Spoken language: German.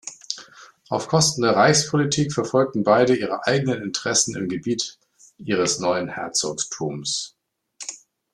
Auf Kosten der Reichspolitik verfolgten beide ihre eigenen Interessen im Gebiet ihres neuen Herzogtums.